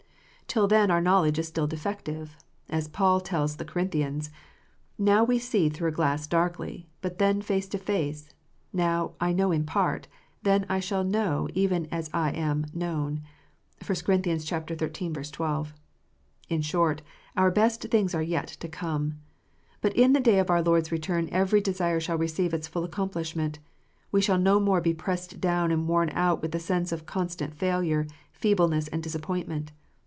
Till then our knowledge is still defective ; as Paul tells the Corinthians :" Now we see through a glass darkly ; but then face to face : now I know in part ; then shall I know even also as I am known." (1 Cor. xiii. 12.) In short, our best things are yet to come. But in the day of our Lord s return every desire shall receive its full accomplishment. We shall no more be pressed down and worn out with the sense of constant failure, feebleness, and disappointment.